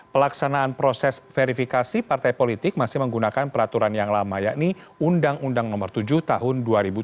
pelaksanaan proses verifikasi partai politik masih menggunakan peraturan yang lama yakni undang undang nomor tujuh tahun dua ribu dua puluh